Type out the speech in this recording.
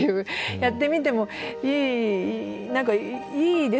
やってみてもいい何かいいですよね。